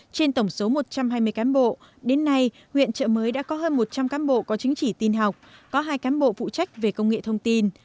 trên tổng số một trăm hai mươi cán bộ đến nay huyện trợ mới đã có hơn một trăm linh cán bộ có chứng chỉ tin học có hai cán bộ phụ trách về công nghệ thông tin